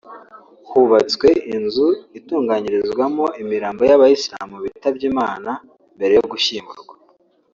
hubatswe inzu itunganyirizwamo imirambo y’abayisamu bitabye Imana mbere yo gushyingurwa